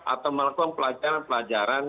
atau melakukan pelajaran pelajaran